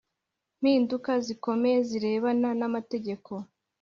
Mpinduka zikomeye zirebana n amategeko